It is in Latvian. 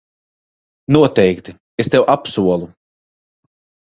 Noteikti, es tev apsolu.